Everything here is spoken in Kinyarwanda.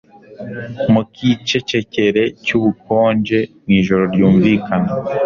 mukicecekere cyubukonje! mwijoro ryumvikana!